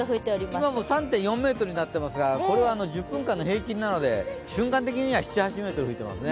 今も３．４ｍになっていますがこれは１０分間の平均なので瞬間的には７８メートル吹いていますね。